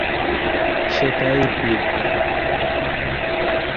সেটাই বিগ ব্যাং।